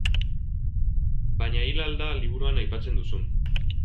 Baina hil al da liburuan aipatzen duzun.